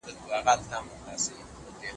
املا د زده کړي د بهیر یو لازمي او ګټور فعالیت دی.